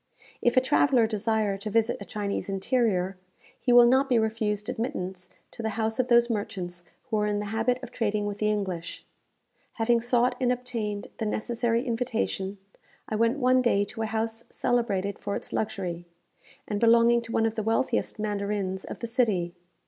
If a traveller desire to visit a Chinese interior, he will not be refused admittance to the houses of those merchants who are in the habit of trading with the English. Having sought and obtained the necessary invitation, I went one day to a house celebrated for its luxury, and belonging to one of the wealthiest mandarins of the city.